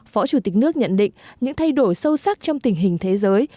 phó chủ tịch nước nhận định những thay đổi sâu sắc trong tình hình thế giới